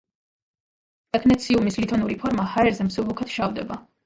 ტექნეციუმის ლითონური ფორმა ჰაერზე მსუბუქად შავდება.